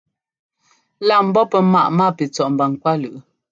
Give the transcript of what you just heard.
Lá ḿbɔ́ pɛ́ maꞌ mápitsɔꞌ mba ŋkwálʉꞌ.